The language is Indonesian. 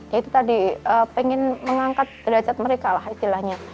ya itu tadi pengen mengangkat derajat mereka lah istilahnya